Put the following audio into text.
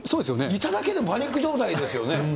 いただけでパニック状態ですよね。